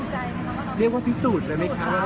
เรียกว่าพิสูจน์ได้ไหมคะ